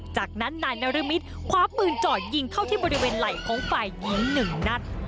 จากนั้นนายนรมิตคว้าปืนเจาะยิงเข้าที่บริเวณไหล่ของฝ่ายหญิงหนึ่งนัด